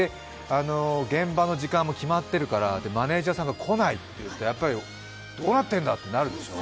現場の時間も決まってるから、マネージャーさんが来ないってなったら、やっぱりどうなってんだってなるでしょ？